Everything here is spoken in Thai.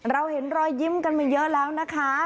เราเห็นรอยยิ้มกันมาเยอะแล้วนะคะ